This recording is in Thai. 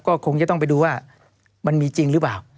ก็คงจะต้องไปดูว่ามันมีจริงหรือเปล่า